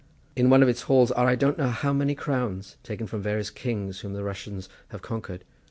In one of its halls are I don't know how many crowns, taken from various kings, whom the Russians have conquered.